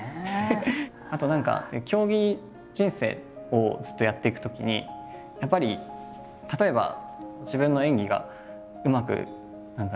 あと何か競技人生をずっとやっていくときにやっぱり例えば自分の演技がうまく何だろう